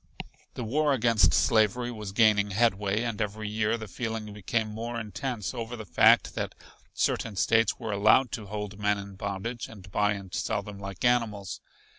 The war against slavery was gaining headway, and every year the feeling became more intense over the fact that certain States were allowed to hold men in bondage and buy and sell them like animals.